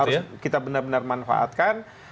harus kita benar benar manfaatkan